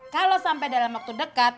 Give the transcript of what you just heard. kalau sampai dalam waktu dekat